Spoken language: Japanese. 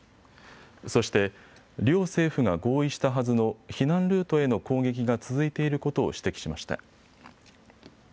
そして両政府が合意したはずの避難ルートへの攻撃が続いていることを指摘しました。